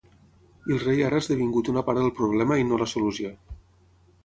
I el rei ara ha esdevingut una part del problema i no la solució.